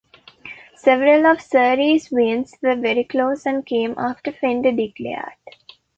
Several of Surrey's wins were very close, and came after Fender declared.